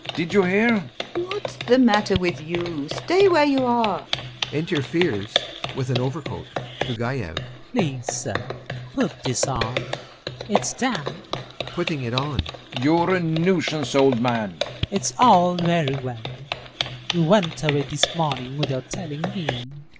Did you hear? LUBOV. What's the matter with you! Stay where you are.... [Enter FIERS with an overcoat.] FIERS. [To GAEV] Please, sir, put this on, it's damp. GAEV. [Putting it on] You're a nuisance, old man. FIERS It's all very well.... You went away this morning without telling me.